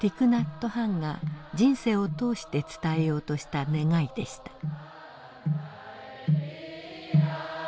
・ナット・ハンが人生を通して伝えようとした願いでした。